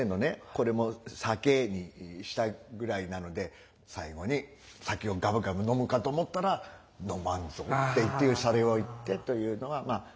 これも酒にしたぐらいなので最後に酒をガブガブ飲むかと思ったら「飲まんぞう」ってシャレを言ってというのがまあ